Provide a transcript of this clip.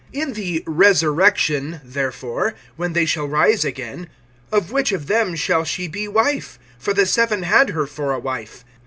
(23)In the resurrection therefore, when they shall rise again, of which of them shall she be wife? For the seven had her for a wife.